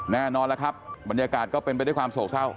แน่นอนแล้วครับบรรยากาศก็เป็นไปด้วยความโศกเศร้า